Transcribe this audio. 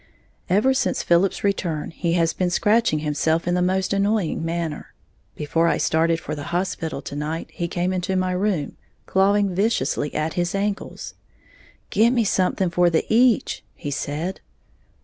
_ Ever since Philip's return he has been scratching himself in the most annoying manner. Before I started for the hospital to night, he came into my room, clawing viciously at his ankles. "Gimme something for the eech," he said.